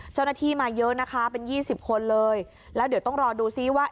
เจ้าหน้าที่มาเยอะนะคะเป็นยี่สิบคนเลยแล้วเดี๋ยวต้องรอดูซิว่า